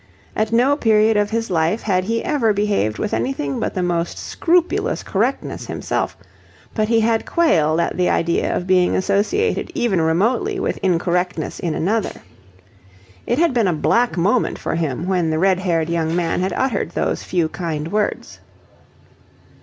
At no period of his life had he ever behaved with anything but the most scrupulous correctness himself, but he had quailed at the idea of being associated even remotely with incorrectness in another. It had been a black moment for him when the red haired young man had uttered those few kind words.